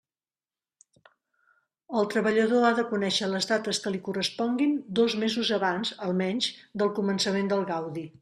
El treballador ha de conèixer les dates que li corresponguin dos mesos abans, almenys, del començament del gaudi.